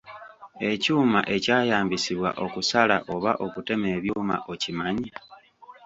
Ekyuma ekyayambisibwa okusala oba okutema ebyuma okimanyi?